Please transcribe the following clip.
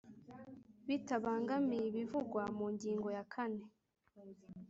Bitabangamiye ibivugwa mu ngingo ya kane